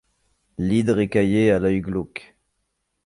L'Hydre écaillée à l'oeil glauque